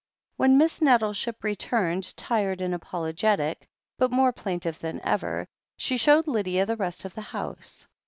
When Miss Nettleship returned, tired and apologetic, but more plaintive than ever, she showed Lydia the rest of the house.